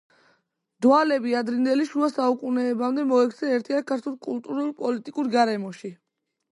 დვალები ადრინდელი შუა საუკუნეებამდე მოექცნენ ერთიან ქართულ კულტურულ-პოლიტიკურ გარემოში.